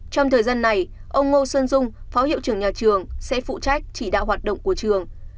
trong thời gian này ông ngô xuân dung phó hiệu trưởng nhà trường sẽ phụ trách chỉ đạo hoạt động của trường